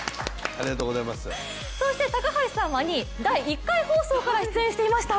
そして高橋さんは２位、第１回放送から出演していました。